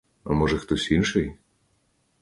А може, хтось інший?